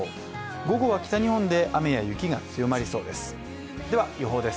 午後は北日本で雨や雪が強まりそうです。